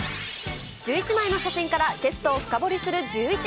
１１枚の写真からゲストを深掘りするジューイチ。